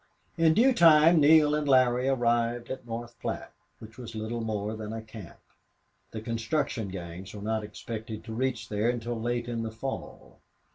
In due time Neale and Larry arrived at North Platte, which was little more than a camp. The construction gangs were not expected to reach there until late in the fall.